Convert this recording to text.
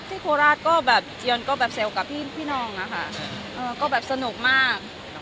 โคราชก็แบบเจียนก็แบบเซลล์กับพี่น้องอะค่ะก็แบบสนุกมาก